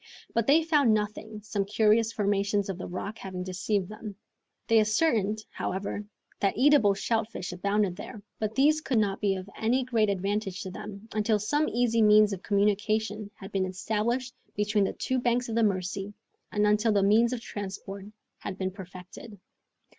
But they found nothing, some curious formations of the rocks having deceived them. They ascertained, however, that eatable shellfish abounded there, but these could not be of any great advantage to them until some easy means of communication had been established between the two banks of the Mercy, and until the means of transport had been perfected.